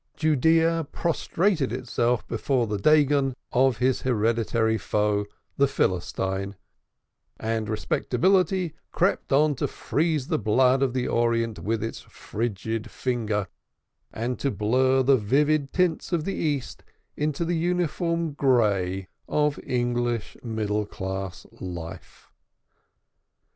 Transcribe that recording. Judaea prostrated itself before the Dagon of its hereditary foe, the Philistine, and respectability crept on to freeze the blood of the Orient with its frigid finger, and to blur the vivid tints of the East into the uniform gray of English middle class life.